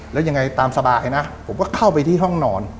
แล้วยังไงตามสบายนะผมก็เข้าไปที่ห้องนอน